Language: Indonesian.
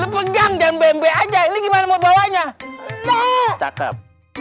pegang dan bmw aja ini gimana bawahnya cakep